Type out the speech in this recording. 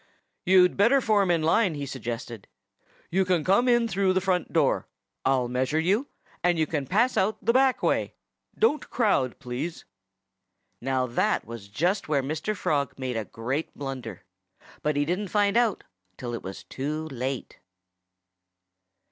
"You'd better form in line!" he suggested. "You can come in through the front door. I'll measure you. And you can pass out the back way. ... Don't crowd, please!" Now, that was just where Mr. Frog made a great blunder. But he didn't find it out till it was too late.